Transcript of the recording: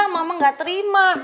mama gak terima